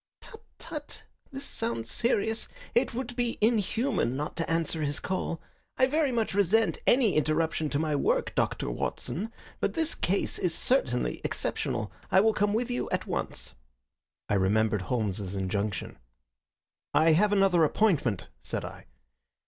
"Tut, tut! This sounds serious. It would be inhuman not to answer his call. I very much resent any interruption to my work, Dr. Watson, but this case is certainly exceptional. I will come with you at once." I remembered Holmes's injunction. "I have another appointment," said I.